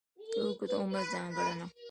د اوږد عمر ځانګړنه.